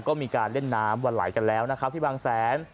ก็มีการเล่นน้ำวันไหลกันแล้วนะครับที่บางแสน